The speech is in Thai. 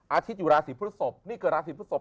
อาทิตย์อยู่ราศีพุทธศพ